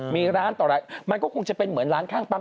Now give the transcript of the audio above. มีร้านต่อร้านมันก็คงจะเป็นเหมือนร้านข้างปั๊ม